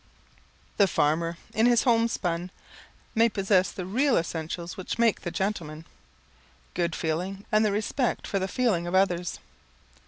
The farmer, in his homespun, may possess the real essentials which make the gentleman good feeling, and respect for the feelings of others.